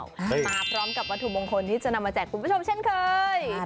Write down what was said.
มาพร้อมกับวัตถุมงคลที่จะนำมาแจกคุณผู้ชมเช่นเคย